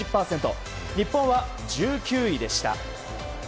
日本は１９位でした。